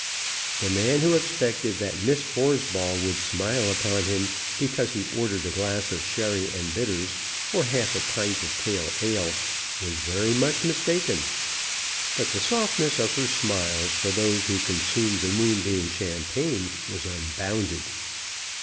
The man who expected that Miss Horsball would smile upon him because he ordered a glass of sherry and bitters or half a pint of pale ale was very much mistaken; but the softness of her smiles for those who consumed the Moonbeam champagne was unbounded.